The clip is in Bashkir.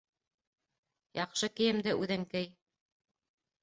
Яҡшы кейемде үҙең кей.